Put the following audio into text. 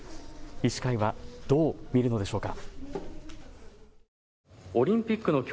医師会はどう見るのでしょうか。